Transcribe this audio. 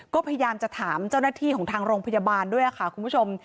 ก็พยายามจะถามเจ้าหน้าที่ของทางโรงพยาบาลด้วยค่ะคุณผู้ชม